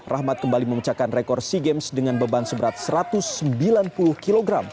rahmat kembali memecahkan rekor sea games dengan beban seberat satu ratus sembilan puluh kg